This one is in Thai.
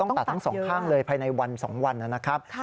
ตัดทั้งสองข้างเลยภายในวัน๒วันนะครับ